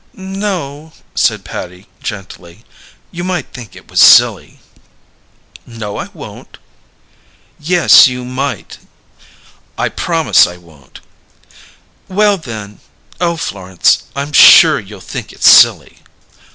"No," said Patty gently. "You might think it was silly." "No, I won't." "Yes, you might." "I promise I won't." "Well, then oh, Florence I'm sure you'll think it's silly!"